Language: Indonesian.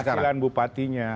itu keberhasilan bupatinya